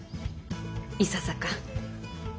いささか。